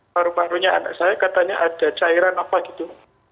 baru barunya anak saya katanya ada cairan apa gitu